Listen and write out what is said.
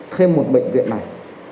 thêm một bệnh viện này